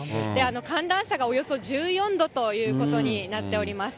寒暖差がおよそ１４度ということになっております。